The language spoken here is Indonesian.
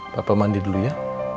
papa mandi dulu ya